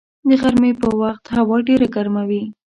د غرمې په وخت هوا ډېره ګرمه وي